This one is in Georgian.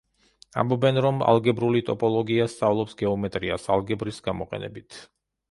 ამბობენ რომ ალგებრული ტოპოლოგია სწავლობს გეომეტრიას, ალგებრის გამოყენებით.